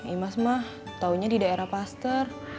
imas mah taunya di daerah pastor